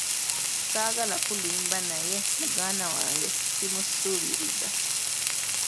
Ssaagala kulimba naye muganda wange simusuubiriza.